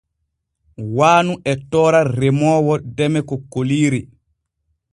Waanu e toora remoowo deme kokkoliiri.